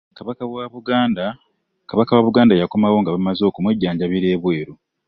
Kabaka wa Buganda yakomawo nga bamaze okumujanjabira ebweru.